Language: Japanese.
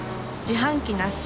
自販機なし。